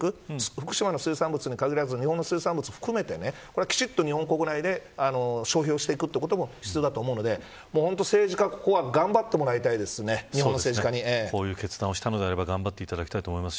福島の水産物に限らず日本の水産物を含めて日本国内できちんと消費していくことも必要だと思うので政治家にこういう決断をしたのであれば頑張っていただきたいと思います。